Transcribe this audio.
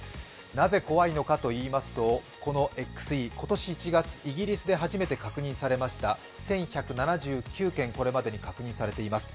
なぜ怖いのかといいますと、このＸＥ今年１月、イギリスで初めて確認されました１１７９件これまでに確認されています。